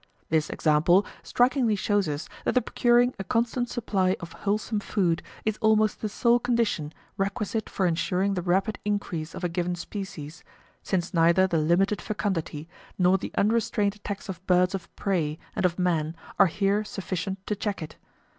This example strikingly shows us that the procuring a constant supply [[p. 56]] of wholesome food is almost the sole condition requisite for ensuring the rapid increase of a given species, since neither the limited fecundity, nor the unrestrained attacks of birds of prey and of man are here sufficient to check it.